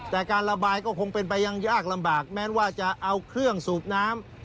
แต่การระบายก็คงเป็นไปยังยากลำบากแม้ว่าจะเอาเครื่องสูบน้ำ